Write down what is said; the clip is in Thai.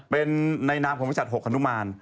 เป็นในนามของบริษัท๖ฮนุมาน